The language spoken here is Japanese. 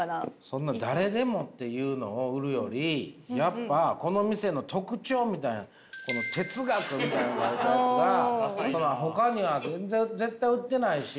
そんな誰でもっていうのを売るよりやっぱこの店の特徴みたいなこの「哲学」みたいな書いたやつがほかには絶対売ってないし。